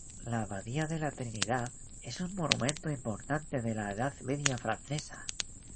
La abadía de la Trinidad es un monumento importante de la Edad Media francesa.